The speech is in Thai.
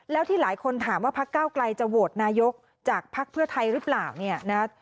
แล้วที่หลายคนถามว่าพักเก้าไกลจะโหวตนายกจากภักดิ์เพื่อไทยหรือเปล่าเนี่ยนะ